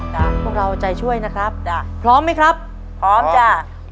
จ้ะพวกเราใจช่วยนะครับพร้อมไหมครับพร้อมจ้ะพร้อม